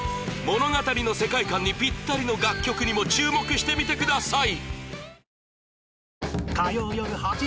物語の世界観にピッタリの楽曲にも注目してみてください